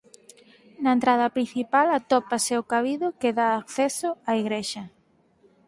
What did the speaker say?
Na entrada principal atópase o cabido que da acceso á igrexa.